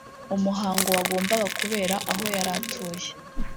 umuhango wagombaga kubera aho yari atuye